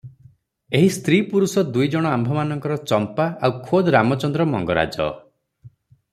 ଏହି ସ୍ତ୍ରୀ ପୁରୁଷ ଦୁଇ ଜଣ ଆମ୍ଭମାନଙ୍କର ଚମ୍ପା ଆଉ ଖୋଦ୍ ରାମଚନ୍ଦ୍ର ମଙ୍ଗରାଜ ।